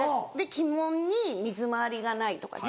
鬼門に水回りがないとかね。